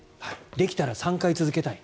できたら３回続けたい。